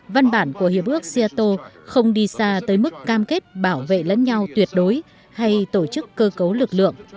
văn bản của hiệp ước seattle không đi xa tới mức cam kết bảo vệ lẫn nhau tuyệt đối hay tổ chức cơ cấu lực lượng